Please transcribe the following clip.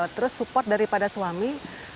terus support daripada suami